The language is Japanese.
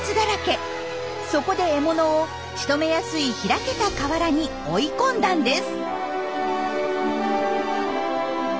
そこで獲物をしとめやすい開けた河原に追い込んだんです。